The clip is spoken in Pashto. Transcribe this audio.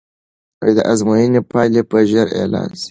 د ازموینې پایلې به ژر اعلان سي.